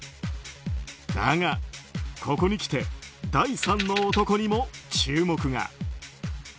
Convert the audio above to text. だが、ここにきて第３の男にも注目が。